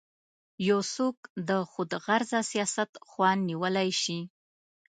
یو څوک د خودغرضه سیاست خوا نیولی شي.